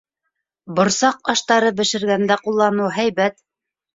Борсаҡ аштары бешергәндә ҡулланыу һәйбәт.